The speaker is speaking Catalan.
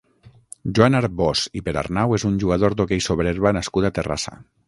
Joan Arbós i Perarnau és un jugador d'hoquei sobre herba nascut a Terrassa.